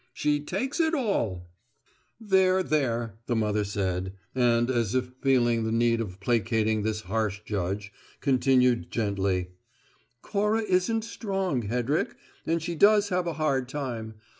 "She takes it all!" "There, there!" the mother said, and, as if feeling the need of placating this harsh judge, continued gently: "Cora isn't strong, Hedrick, and she does have a hard time.